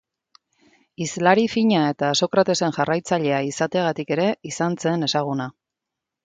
Hizlari fina eta Sokratesen jarraitzailea izateagatik ere izan zen ezaguna.